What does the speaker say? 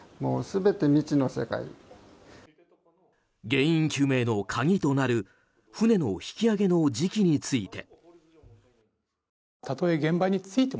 原因究明の鍵となる船の引き揚げの時期について。